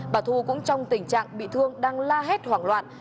bà thu cũng trong tình trạng bị thương đang la hét hoảng loạn